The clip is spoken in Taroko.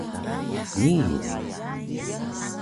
nii di